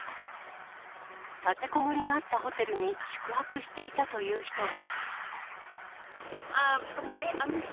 立てこもりがあったホテルに宿泊していたという人は。